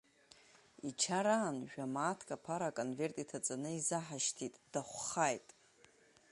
Ичараан жәамааҭк аԥара аконверт иҭаҵаны изаҳшьҭит, дахәхааит…